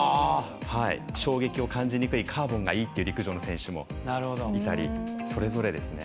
衝撃を感じにくいカーボンがいいという陸上の選手もいたりそれぞれですね。